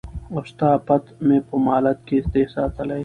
او ستا پت مي په مالت کي دی ساتلی